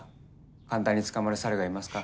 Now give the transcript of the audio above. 簡単に捕まる猿がいますか？